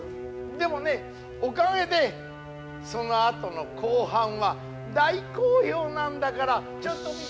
でもねおかげでそのあとの後半は大好評なんだからちょっと見て。